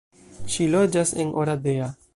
Ŝi loĝas en Oradea.